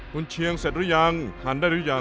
คุณเชียงเสร็จหรือยังหันได้หรือยัง